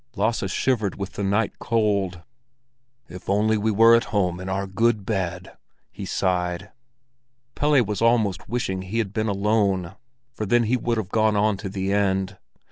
Lasse shivered with the night cold. "If only we were at home in our good bed!" he sighed. Pelle was almost wishing he had been alone, for then he would have gone on to the end.